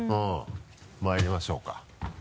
まいりましょうか。